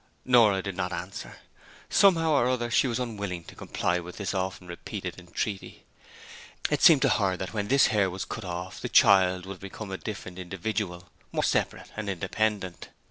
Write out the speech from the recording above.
Nora did not answer: somehow or other she was unwilling to comply with this often repeated entreaty. It seemed to her that when this hair was cut off the child would have become a different individual more separate and independent.